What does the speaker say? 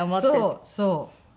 そうそう。